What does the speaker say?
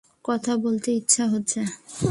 কথা বলতে ইচ্ছা হচ্ছে।